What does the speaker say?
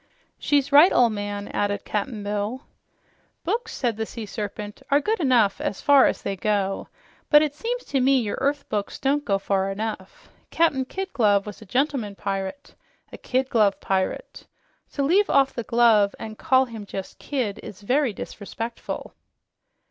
"She's right, ol' man," added Cap'n Bill. "Books," said the Sea Serpent, "are good enough as far as they go, but it seems to me your earth books don't go far enough. Captain Kid Glove was a gentleman pirate, a kid glove pirate. To leave off the glove and call him just Kidd is very disrespectful."